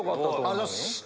ありがとうございます！